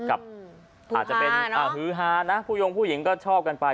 อาจจะเป็นฮือฮานะผู้ยงผู้หญิงก็ชอบกันไป